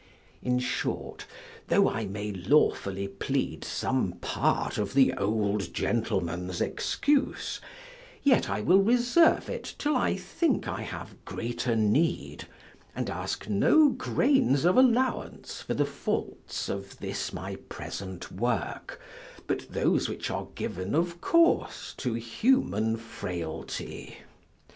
In short, tho' I may lawfully plead some part of the old gentleman's excuse, yet I will reserve it till I think I have greater need, and ask no grains of allowance for the faults of this my present work, but those which are given of course to human frailty.